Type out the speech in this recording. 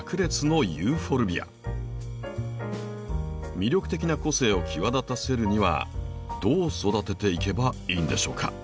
魅力的な個性を際立たせるにはどう育てていけばいいんでしょうか。